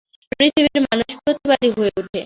পৃথিবীর মানুষ প্রতিবাদী হয়ে ওঠে।